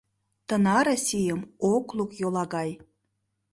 Тынаре сийым ок лук йолагай